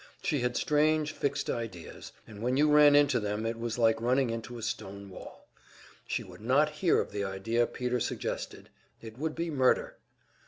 She had strange fixed ideas, and when you ran into them it was like running into a stone wall. She would not hear of the idea Peter suggested; it would be murder.